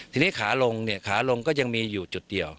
ทีนี้ขาลงก็ยังมีอยู่จุดเดียว